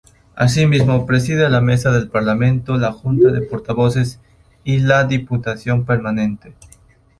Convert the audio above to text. Asimismo, preside la Mesa del Parlamento, la Junta de Portavoces y la Diputación Permanente.